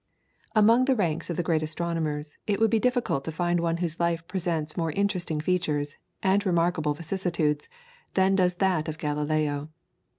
Among the ranks of the great astronomers it would be difficult to find one whose life presents more interesting features and remarkable vicissitudes than does that of Galileo.